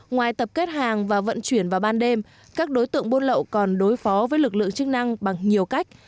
ngoài tập kết hàng và vận chuyển vào ban đêm các đối tượng buôn lậu còn đối phó với lực lượng chức năng bằng nhiều cách